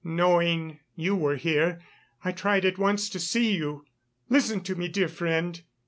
Knowing you were here, I tried at once to see you. Listen to me, dear friend